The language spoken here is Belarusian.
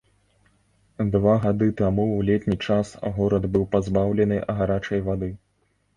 Два гады таму ў летні час горад быў пазбаўлены гарачай вады.